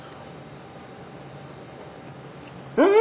うん！